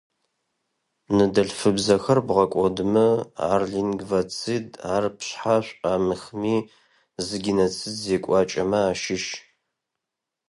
Ныдэлъфыбзэхэр бгъэкӀодымэ, ар-лингвоцид, ар пшъхьа шӏуамыхми, зы геноцид зекӏуакӏэмэ ащыщ.